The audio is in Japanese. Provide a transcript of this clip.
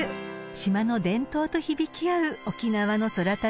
［島の伝統と響き合う沖縄の空旅です］